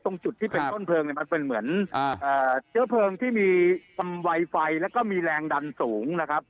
ตรงจุดที่เป็นต้นเพลิงเนี่ยมันเป็นเหมือนเชื้อเพลิงที่มีทำไวไฟแล้วก็มีแรงดันสูงนะครับ